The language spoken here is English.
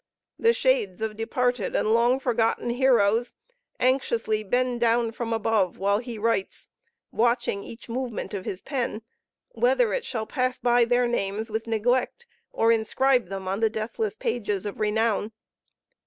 The shades of departed and long forgotten heroes anxiously bend down from above, while he writes, watching each movement of his pen, whether it shall pass by their names with neglect, or inscribe them on the deathless pages of renown.